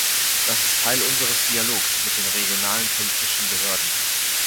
Das ist Teil unseres Dialogs mit den regionalen politischen Behörden.